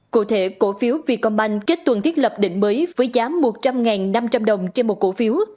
cụ thể cổ phiếu vietcombank kết tuần thiết lập định mới với giá một trăm linh năm trăm linh đồng trên một cổ phiếu